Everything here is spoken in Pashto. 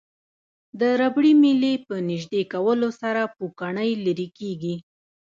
د ربړي میلې په نژدې کولو سره پوکڼۍ لرې کیږي.